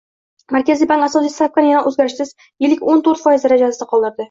Markaziy bank asosiy stavkani yana o‘zgarishsiz — yilliko´n to´rtfoiz darajasida qoldirdi